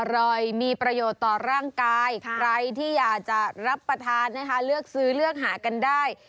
อร่อยมีประโยชน์ต่อร่างกายใครที่อยากจะรับประทานนะคะเลือกซื้อเลือกหากันได้